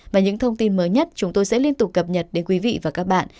và những thông tin mới nhất chúng tôi sẽ liên tục cập nhật đến quý vị và các bạn